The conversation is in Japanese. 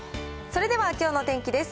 それではきょうの天気です。